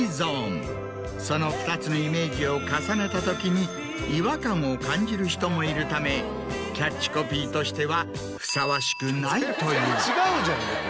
その２つのイメージを重ねたときに違和感を感じる人もいるためキャッチコピーとしてはふさわしくないという。